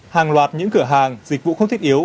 hàng loạt những cửa hàng dịch vụ không thiết yếu